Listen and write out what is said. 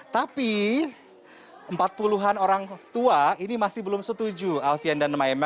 tapi empat puluh an orang tua ini masih belum setuju alfian dan maema